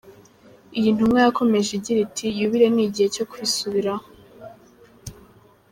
Iyi ntumwa yakomeje igira iti “Yubile ni igihe cyo kwisubiraho.